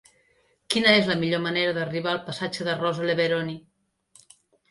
Quina és la millor manera d'arribar al passatge de Rosa Leveroni?